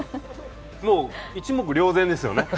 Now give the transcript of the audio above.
もう一目瞭然ですよね。